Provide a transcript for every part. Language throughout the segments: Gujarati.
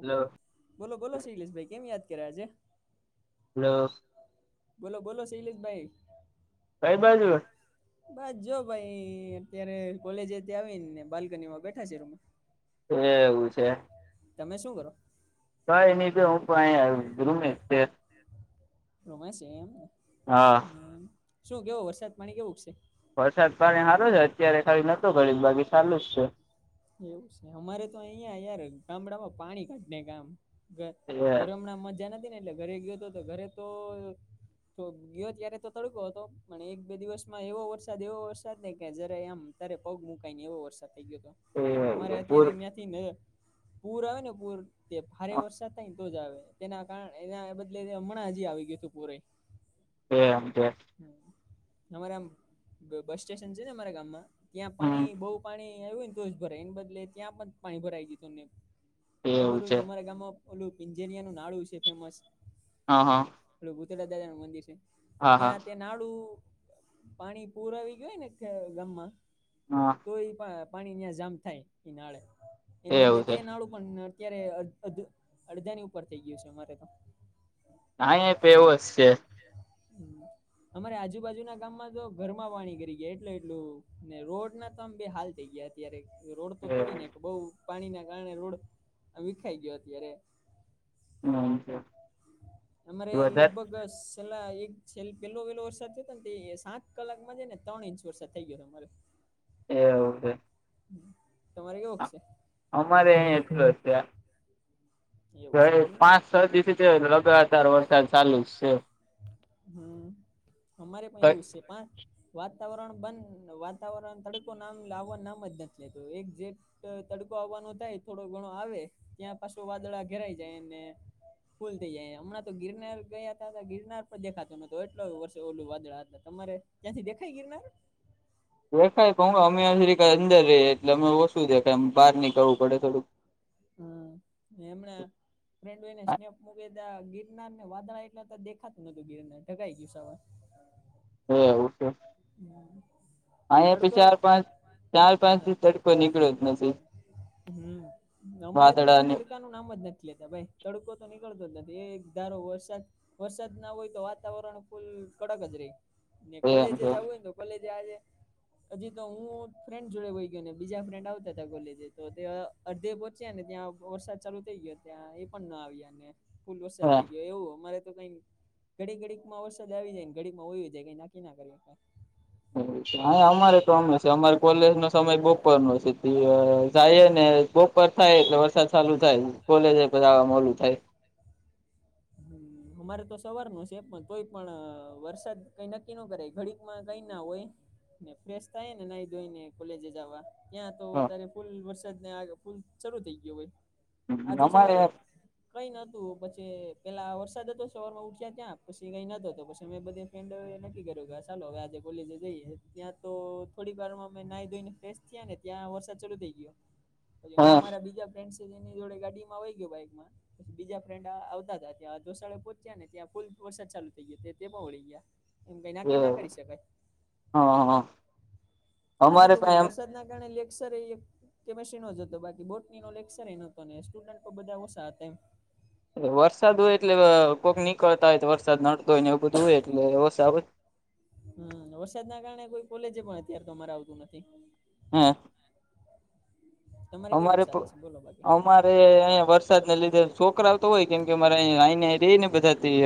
હલો બોલો-બોલો શૈલેષભાઈ કેમ યાદ કર્યા આજે. હલો. બોલો-બોલો શૈલેષભાઈ. કઈ બાજુ. બસ જો ભાઈ અત્યારે કોલેજે થી આવીને બાલ્કની માં બેઠા છે અમે. એવું છે. તમે શું કરો. કઈ નહી જો હું તો આયા રૂમેજ છે. હમ્મ રૂમે છે એમ હા હ શું કેવો વરસાદ પાણી કેવુંક છે. વરસાદ પાણી હારો છે અત્યારે કઇ નતો ઘળીક બાકી સાલું જ છે. એવું છે અમારે તો અહંયા યાર ગામડામાં પાણી કાઢ નાયખા આમ. ઘર છે ઘરે હમણાં મજા નથી ને એટલે ઘરે ગયો હતો ઘરે તો તો ગયો ત્યારે તો તડકો હતો પણ એક બે દિવસમાં એવો વરસાદ એવો વરસાદ નને કે જ્યારે આમ ત્યારે પગ મુકાઈ ને એવો વરસાદ થઇ ગયો હતો એ ને અમારે એ પૂર અત્યારે ન્યાંથી ન પૂર આવે ને પૂર તે ભારે વરસાદ થાય ને. તો જ આવે તેના કારણે એના બદલે હમણાં હજી આવી ગયું તું પૂરેય. એમ કે. અમારે આમ બસ સ્ટેશન છે ને અરા ગામમાં ત્યાં હમ પાણી બઉ પાણી આવ્યુંને તોજ ભરાય એને બદલે ત્યાં પણ પાણી ભરાઈ ગયું તુંને એવું ખબર હોય છે તો અમારા ગામમાં ઓલું પિંજેરિયા નું નાડું છે ફેમસ. હા-હા. પેલું ભૂતરા દાદાનું મંદિર છે. હા ત્યાં તે ત્યાં નાડું પાણી પૂર આવી ગયું ને ગામમાં. હા તો એ પા પાણી ન્યા જામ થાય એ નાળે એને બદલે એવું તે છે નાળું પણ અત્યારે અધ અધ અડધા ની ઉપર થઈ ગયું છે અમારે તો. આયા પે એવોજ શે. હમ્મ. અમારે આજુબાજુના ગામમાં તો ઘરમાં પાણી ગરી ગયા એટલે એટલું ને રોડ ના તો આમ બે હાલ થઈ ગયા. અત્યારે રોડ તો તોડી નાયખો બહું પાણી ના કારણે રોડ વિખાઈ ગયો અત્યારે. એવું છે અમારે વધારે લગભગ છેેલ્લા એક છેલ્ પેલો પેલો વરસાદ થયો હતો ને તે સાત કલાકમાં જ ને ત્રણ ઇંચ વરસાદ થઇ ગયો હતો મારે. એવુ. તમારે કેવુંક શે. અહી એટલો અમારે. જ એવું છે એમને. પાંચ છ દિવસથી લગાતાર વરસાદ ચાલુ જ હમ્મ અમારે પણ એવું છે. પાંચ વાતાવરણ બંધ વાતાવરણ તડકો નામ લાવવા નામ જ નથી લેત એક જે તડકો આવવાનો થાય થોડો ઘણો આવે ત્યાં પાછું વાદળા ઘેરાઈ જાય ને. ફૂલ થઇ જાય હમણાં તો ગિરનાર ગયા તા ગિરનાર પર દેખાતતો નતો એટલા વર્ષે ઓલું વાદળા હતા તમારે. ત્યાંથી દેખાય ગીરનાર. દેખાય તો હું અમે અમે જીરીક અંદર રીએ એટલે અમે ઓસુ દેખાય બહાર નીકવું પડે થોડું. હ ને હમણાં. ફ્રેન્ડોને સ્નેપ મૂકે ગિરનાર ને વાદળા એટલે દેખાતું નહતું ગિરનાર ઢંકાઈ ગયું છે હવે. હે એવું છે. યસ. અયા પી ચાર પાંચ ચાર પાંચ દિવ તડકો નીકળ્યો નથી. હમ અમારે તો અહિયાં વાદળાને એમ તડકા નું નામ જ નથી લેતા ભાઈ તડકો તો નીકળતો જ નથી એક ધારો વરસાદ વરસાદ ના હોય તો વાતાવરણ ફૂલ કડક જ રેય. ને કોલેજે છે. જવું હોયને તો કોલેજે આજે હજી તો હું ફ્રેન્ડ જોડે વઈ ગયો ને બીજા ફ્રેન્ડ આવતા હતા કોલેજ તો તે અડધે પોત પચ્યા ને ત્યાં વરસાદ ચાલુ થઈ ગયો ત્યાં એ પણ ના આવ્યા ને ફૂલ વરસાદ હા થઈ ગયો એવું અમારે તો કઈ ઘડી ઘડી માં વરસાદ આવી જાય ઘડી માં હોઈ જાય કઈ નાકી ના કરવી. હા અમારે તોમે છે અમારે કોલેજ નો સમય બપોર નો છે જાયો ને બપોર થાય એટલે વરસાદ ચાલુ થાય કોલેજ જવા મોલું થાય. હમ્મ, અમારે તો સવાર ની શે પણ તોય પણ વરસાદ કઈ નક્કી ન કરે ઘડી માં કઈ ના હોય ને ફ્રેશ થાય ને નાઈ ધોઈને કોલેજે જવા ત્યાં તો હા ત્યારે ફૂલ વરસાદ ને આ ફૂલ શરૂુ થઇ ગયું ભાઈ. આજે અમારે સવારે હા કઈ નતું પછી પેલા વરસાદ હતો સવાર માં ઉઠ્યા ત્યાં પશી કઈ નતો પછી મેં બધી ફ્રેન્ડો એ નક્કી કર્યું. ચાલો હવે આજે કોલેજે જઈએ ત્યાં તો થોડીક વાર માં અમે નાહ ધોઈને ફેશ થયા ને ત્યાં વરસાદ ચાલુ થઈ ગયો. પછી હું હા મારા બીજા ફ્રેન્ડ શે જેની જોડે ગાડીમાંઈ ગયો બાઈકમાં પછી બીજા ફ્રેન્ડ આવતા તા. ત્યાં દોશળે પોહોંચ્યા ને ત્યાં ફુલ વરસાદ ચાલુ થઈ ગયો તે પણ વળી ગયા. એમ કઈ ના કે ના કરી શકાય. હા આજે અમારે તો પણ વરસાદના કારણે લેકસર એ કે પછી નો જ હતો બાકી બોટની નો લેક્સર એ નોતો ને સ્ટુડન્ટ બધા ઓછા હતા એમ. વરસાદ હોય એટલે કોઈક નીકળતા હોય તો વરસાદ નડતો હોય ને એવુ બધું હોય એટલે એબ હમ્મ, વરસાદ ના કારણે કોઈ કોલેજ પણ અત્યારે તો અમારે આવતું નથી. હા. તમારે કેવું અમારે તો, ચાલે છે બોલો બાકી આમ અમારે અહીંયા વરસાદ ને લીધે છોકરો આવતો હોય કેમ કે અમારે આને રહી ને બધાથી.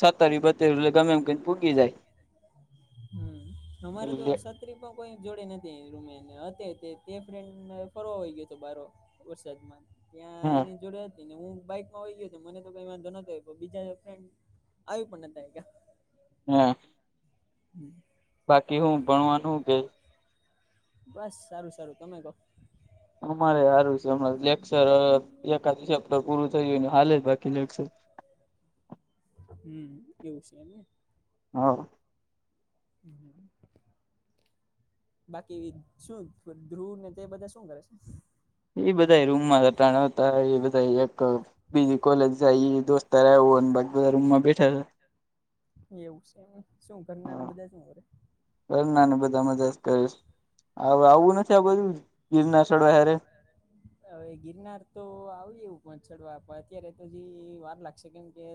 છતર બતેર એટલે ગમે એમ કેને ભૂગી જાય, હમ અમારે તો એટલે. છત્રી પણ કોઈ જોડે નથી રૂમે ફ્રેન્ડને ફરવા હો ગયો હતો બારે. વરસાદમાં ત્યાં હા એની જોડે એની હું બાઈકમાં હોય ગયો મને તો કઈ વાંધો નતોયો બીજા ફડ આવ્યું પણ નતા. હા. હમ્મ. બાકી હું ભણવાનું હું કે? બસ સારું સારું તમે કો. અમારે હારું છે, હમણાં લેક્ચર એકાદ ચેપ્ટર પૂરું થયું હાલે જ બાકી લેક્ચર. હમ્મ, એવું છે એમને. હા. હમ્મ. બાકી શું, ધ્રુવ ને તે બધા શું કરે છે? એ બધા રૂમ માતા ટાણાતા, એ બધા એક બીજી કોલેજ જાઈ ઈ દોસ્ત ત્યારે ઓન, બાકી બધા રૂમ માં બેઠા છે. એવું છે, શું ઘરના ને હા બધા શું કરે? ઘરના ને બધા મજા જ કરીશ. હવ આવું નથી આ બધું ગીરના સ્થળવા હારુ? હવે ગિરનાર તો આવીએ એવું પણ ચડવા પણ અત્યારે તો જે વાર લાગશે કેમ કે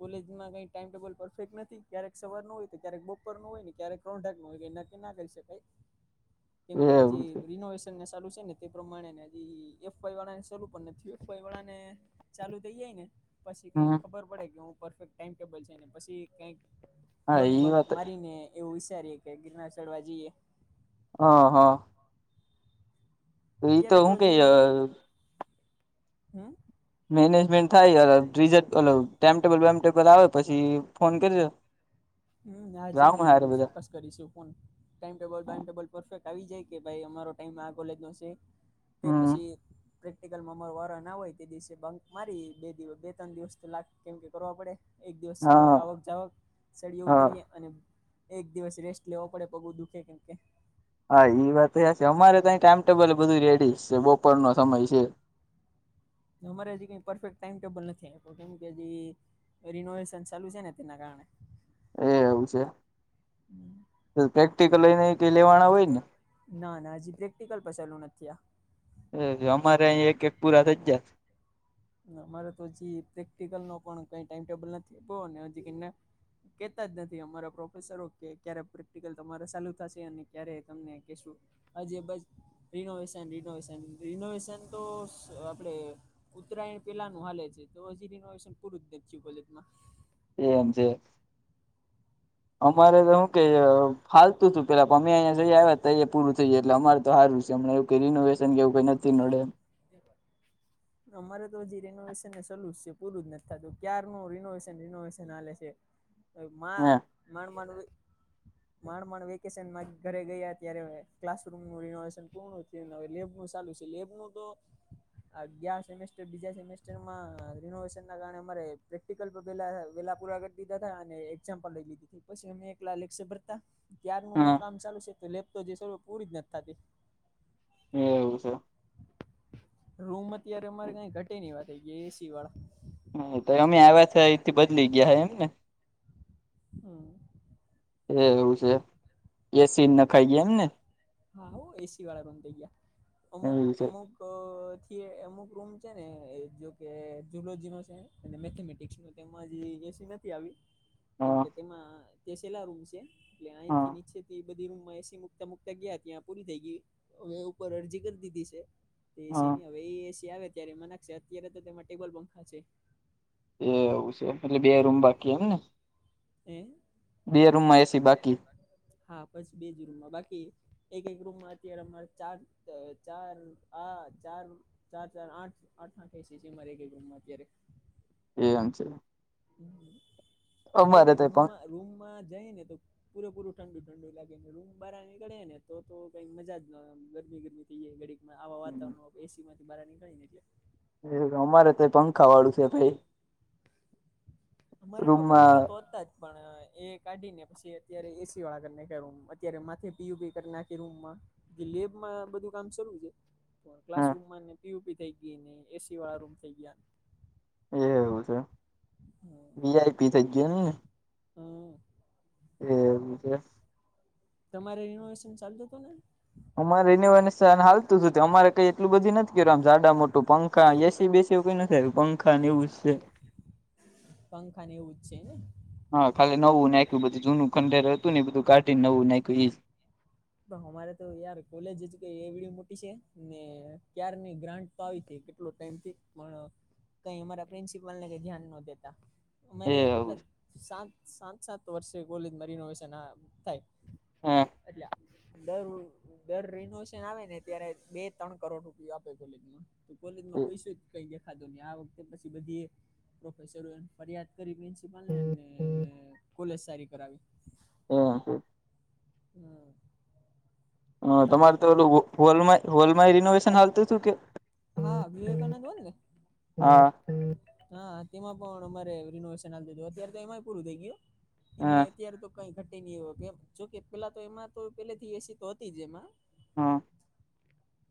કોલેજ માં કઈ ટાઈમટેબલ પરફેક્ટ નથી ક્યારેક સવારનું હોય તો ક્યારેક બપોરનું હોય ને ક્યારેક [unintelligible] નકી ના કરી શકાય કેમ એ કે એવું હજી છે રીનોવેશન [unintelligible] છે ને તે પ્રમાણેળ પણ નથીળને [unintelligible] ચાલુ થઈ જાય ને પછી કઈ હમ ખબર પડે કે હું પરફેક્ટ ટાઈમ ટેબલ છેને પછી કઈક હા બંક, ઈ બંક, વાત મારીને એવું વિસારીએે કે ગિરનાર ચડવા જઈએ. હા. હા. ઈ અત્યારે તો હું કે હજી, હમ? મેનેજમેન્ટ થાય [unintelligible] ટાઈમટેબલ વામટેબલ આવે પછી ફોન કરજો. હમ હા જરૂર જાઉં હારે જરૂર બધા ચોક્કસ કરીસો ફોન, ટાઈમટેબલ વામટેબલ પરફેક્ટ આવી જાય કે ભઈ અમારો ટાઈમ આ કૉલેજ નો છે. તે હમ પછી પ્રેક્ટિકલમાં અમારો વારો ન હોય તે દિવસે બંક મારીએ બે દિવ બે ત્રણ દિવસ લાગ કેમ કે કરવા પડે. એક દિવસ સડ હા આવક જાવક સડીએ હા ઉતરીએ અને એક દિવસ રેસ્ટ લેવો પડે, પગો દુઃખે કેમ કે હા ઇ વાત એ હાચી અમારે ત્યાં તો ટાઈમટેબલ બધું રેડી છે બપોર નો સમય છે અમારે હજી કઈ પરફેક્ટ ટાઈમ ટેબલ નથી આપ્યો કેમ કે હજી રિનોવેશન ચાલુ છે ને તેના કારણે એ એવું છે. [unintelligible] પ્રેક્ટિક લઈને કઈ લેવાના હોય ને? ના ના હજી પ્રેક્ટિકલ પણ ચાલુ નથી આ એ અમારે અહી એક એક પૂરા થઈ જાય અમારે તો હજી પ્રેક્ટિકલ નો પણ કઈ ટાઈમ ટેબલ નથી [unintelligible] ને હજી કને કેતા જ નથી અમારા પ્રોફેસરો કે, ક્યારે પ્રેક્ટિકલ તમારે સાલુ થશે અને ક્યારે તમને કેશું હજે બસ રિનોવેશન, રિનોવેશન, રિનોવેશન તો સ આપડે ઉત્તરાયણ પેલાનું હાલે છે, તો હજી રિનોવેશન પૂરું જ નથી થયું કોલેજમાં. એમ છે. અમારે તો હુ કે હવે, હાલતું હતું પેલા અમે [unintelligible] અહીંયા જઈ આવ્યા ત ઈ પૂરું થઈ જાય એટલે અમારે તો હારું છે હમણાં એવું કે રિનોવેશન કેવું કઈ નતિ નડે અમારે તો હજી રિનોવેશનને સલુ સે પૂરું જ નથી થાતું ક્યારનુ રિનોવેશન રિનોવેશન હાલે સે [inaudible] એક હ મા માણ માણડવલી માણ માણ વેકેશનમાં ઘરે ગયા ત્યારે ક્લાસરૂમ નું રિનોવેશન પૂર્ણ થયું હવે લેબ સાલુ સે લેબ નુ તો [inaudible] આ ગયા સેમેસ્ટર, બીજા સેમેસ્ટરમાં રિનોવેશન ના કારણે અમારે પેકિટકલ પેલા વેલા પૂરા કરી દીધા તા અને એક્ઝામ્પલ લઈ લીધી તીપછી અમે [unintelligible] ભરતા હા ત્યારનું કામ ચાલુ છે તો લેપ શરુ જે પૂરી જ નથી થાતી એવું છે. રૂમ અત્યારે અમારે કઈ ઘટે નહીં એવા થઇ ગયા એસી વાળા હા તો અમે આવ્યા છ એથી બદલી ગયા હ એમ ને હા એ એવું છે એસી ન નખાઈ ગયા એમને હા હો એસી વાળા રૂમ થઈ ગયા અમુક એવું છે અમુક થી અમુક રૂમ છે ને જોકે જુલોજી નો છે અને મેથેમેટિક્સ નો તેમાં જે એસી નથી આવી હા કેમકે તેમાં તે છેલા રૂમ છે. એટલે હા અંયથી નીચેથી બધ રૂમમાં એસી મુકતા મુક એટલે ગ્યા ત્યાં પૂરી થઈ ગય હવે ઉપર અરજી કરી દીધી છે હા એસીની હવે એ એસી આવે ત્યારે એમાં નાખશે અત્યારે તો તેમાં ટેબલ પંખા છે. એ એવું છે એટલે બે રૂમ હમ બાકી એમ ને બે રૂમમાં એસી બાકી હા પછી બેજ રૂમમાં બાકી એક એક રૂમમાં અત્યારે અમારે ચાર ચાર હ ચાર ચાર ચાર આઠ આઠ એસી છે અમાર એક એક રૂમમાં અત્યારે એમ છે. અમારે અત્યારે તો રૂમમાં રૂમમાં જાય ને તો પૂરે પૂર ઠંડુ ઠંડુ લાગે ને રૂમ બહાર નીકળે ને તો કઈક મજા ન ગરમી ગરમી ઘડીકમાં આવા પણ વાતાવરણમાં એસીમાંથી બાર નીકળીએ એટલે એ અમારે તો પંખા વાળું છે ભાઈ અમારે પણ રૂમમાં પંખા તો હતા જ પણ એ કાઢી ને પછી અત્યારે એસી વાળા કરી નાખ્યા રૂમ અત્યારે માથે પીઓપી કરી નાખી રૂમમાં [unintelligible] માં બધું કામ શરુ છે. તો હ ક્લાસ રૂમમાં ને પીયુપી થઈ ગઈ એસી વાળા રૂમ થઈ ગયા. એવું છે વીઆઈપી થઈ ગયા ને હા. એવું છે. તમારે રિનોવેશન ચાલતું હતું ને અમારે રિનોવેશન હાલતું જ હતું અમારે કઈ એટલું બધી નથી કર્યું આમ સાડા મોટું પંખા એસી બેસી એવું કઈ નથી આવ્યુંં એવું છે. પંખાને એવું જ છે ને હા ખાલી નવું નાખ્યું બધું જૂનું ખંડેર હતું ને બધું કાઢી નવું નાખ્યું એ અમારે તો યાર કોલેજ જ કે એવડી મોટી છે ને ક્યારની ગ્રાન્ટ તો આવીતી કેટલો ટાઈમથી પણ કઈ અમારા પ્રિન્સિપલને કઈ ધ્યાન ન દેતા. એ અમારે કેટલા સાત સાત સાત વર્ષે કોલેજમાં રિનોવેશન થાય. હા એટલા દર દર રિનોવેશન આવે ને ત્યારે બે ત્રણ કરોડ રૂપિયો આપે કોલેજમાં તો કોલેજમાં પૈસો જ કઈ દેખાતો નહી આ વખતે પછી બધી એ પ્રોફેસર ફરિયાદ કરી પ્રિન્સિપલને કોલેજ સારી કરાવી. [unintelligible] હા. હ તમારે તો પેલું હોલ હોલમાંય રિનોવેશન હાલ તું કે હા વિવેકાનંદ હોલ ને. હા. હા તેમાં પણ અમારે રિનોવેશન આવી દીધું અત્યારે તો એમાંય પૂરું થઈ ગયું. હા એમાં અત્યારે તો કઈ ઘટે નય એ કેમ જોકે પેલા તો એમાં તો પેલે થી એસી તો હતી જ એમાં હા.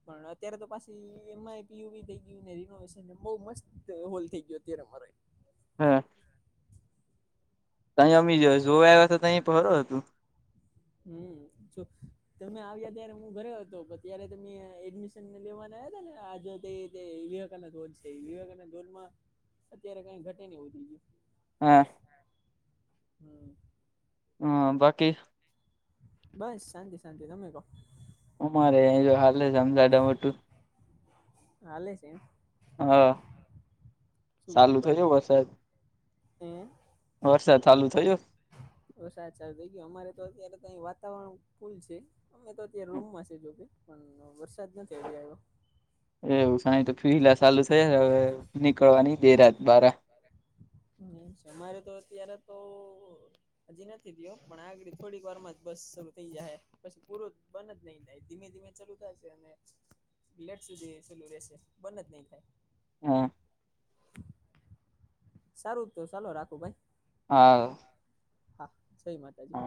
પણ અત્યારે તો પાછી એમાંય પીયુપી થઈ ગયું ને રિનોવેશન બહુ મસ્ત હોલ થઈ ગયો અત્યારે મારે હા. તય અમે જોવા આવ્યા તા તઈ [unintelligible] હતું. હમ જો તમે આવ્યા ત્યારે હું ઘરે હતો પણ ત્યારે તમે એડમિશન લેવાના આવ્યા હતા ને આજ ધો છે વિવેકોધ માં અત્યારે કઈ ઘટે ન ગયું હા હમ્મ હમ્મ બાકી બસ શાંતિ શાંતિ તમે કહો અમારે જો હાલે આમ જાડા મોટું હાલે છે એમ હા ચાલુ થયો વરસાદ હમ્મ વરસાદ ચાલુ થયો વરસાસ ચાલુ થઈ ગયું અમારે તો અત્યારે તો વાતાવરણ પુલ છે અમે તો અત્યારે રૂમ માં છે જો પણ વરસાદ નથી થ ગ આવ્યો એવું સાહી તો ફીલા ચાલુ થ હવે નીકળવાની બે રાત બાર તમારે તો અત્યારે તો હજી નથી દયો પણ આગળ થોડીક વાર જ બસ શરૂ થઈ જાય પછી પૂરો બને જ નહી થાય ધીમે ધીમે ચાલુ થાય છે અને લેટ સુધી ચલું રશે બંધ જ નહી થાય સારું તો ચાલો રાખું ભાઈ હા હા જય માતાજી